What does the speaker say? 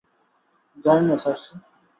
জানি না, সার্সি!